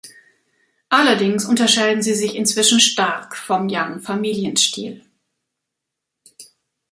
Allerdings unterscheiden sie sich inzwischen stark vom Yang-Familienstil.